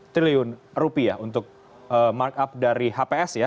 lima sembilan puluh lima triliun rupiah untuk markup dari hps ya